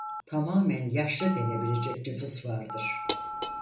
Tamamen yaşlı denebilecek nüfus vardır.